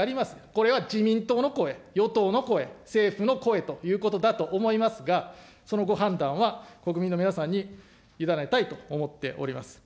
これは自民党の声、与党の声、政府の声ということだと思いますが、そのご判断は、国民の皆さんに委ねたいと思っております。